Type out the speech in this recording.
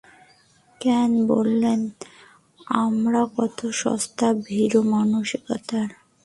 কেন বললেনা আমরা কত সস্তা আর ভীরু মানসিকতার।